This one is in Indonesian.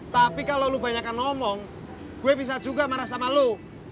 tapi kalau lo banyakkan omong gue bisa juga marah sama lo